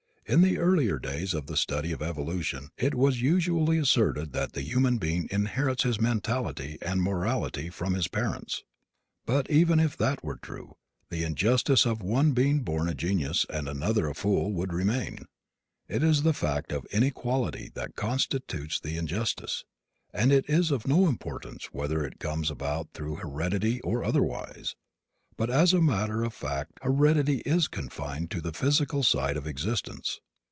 In the earlier days of the study of evolution it was usually asserted that the human being inherits his mentality and morality from his parents. But even if that were true the injustice of one being born a genius and another a fool would remain. It is the fact of inequality that constitutes the injustice, and it is of no importance whether it comes about through heredity or otherwise. But as a matter of fact heredity is confined to the physical side of existence.